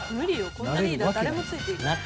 こんなリーダー誰もついていかない。